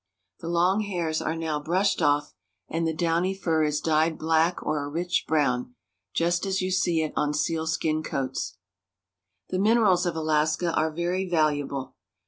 The long hairs are now brushed off, and the downy fur is dyed black or a rich brown, just as you see it on sealskin coats. The minerals of Alaska are very valuable.